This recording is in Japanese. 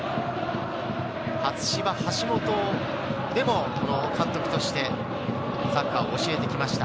初芝橋本でも監督としてサッカーを教えてきました。